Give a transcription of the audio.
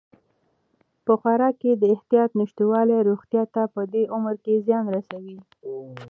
په خوراک کې د احتیاط نشتوالی روغتیا ته په دې عمر کې زیان رسوي.